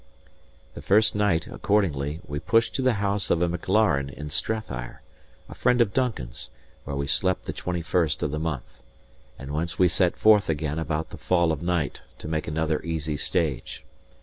The first night, accordingly, we pushed to the house of a Maclaren in Strathire, a friend of Duncan's, where we slept the twenty first of the month, and whence we set forth again about the fall of night to make another easy stage.